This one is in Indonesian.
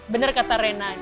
bener kata rena